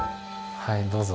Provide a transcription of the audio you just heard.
はいどうぞ。